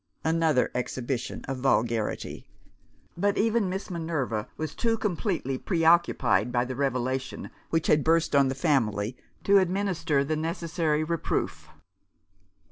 Another exhibition of vulgarity. But even Miss Minerva was too completely preoccupied by the revelation which had burst on the family to administer the necessary reproof.